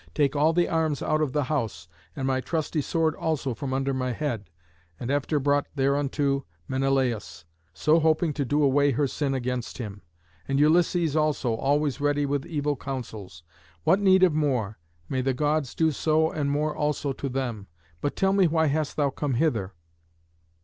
take all the arms out of the house, and my trusty sword also from under my head; and after brought thereunto Menelaüs, so hoping to do away her sin against him; and Ulysses also, always ready with evil counsels. What need of more? May the Gods do so and more also to them. But tell me why hast thou come hither?"